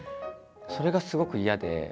それがすごく嫌で。